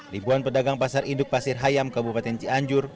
ribuan pedagang pasar induk pasir hayam ke bupati cianjur